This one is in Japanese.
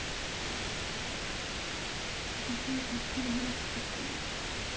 私はとっくに腹くくってる。